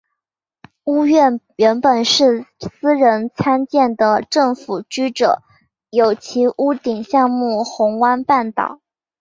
屋苑原本是私人参建的政府居者有其屋项目红湾半岛。